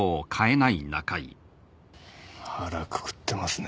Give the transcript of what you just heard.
腹くくってますね